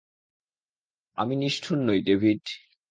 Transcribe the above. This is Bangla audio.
আমি নিষ্ঠুর নই, ডেভিড।